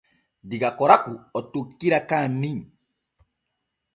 Diga Koraku o tokkira Kaanni.